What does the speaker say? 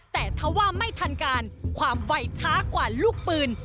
แต่ถ้าว่าไม่ทันการความไวช้ากว่าลูกปืน